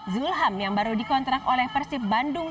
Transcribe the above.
zulham yang baru dikontrak oleh persib bandung